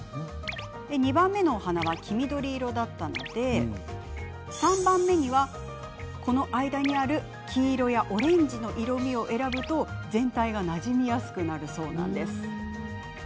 ２番目のお花は黄緑色だったので３番目には、この間にある黄色やオレンジの色みを選ぶと全体が、なじみやすくなるそう。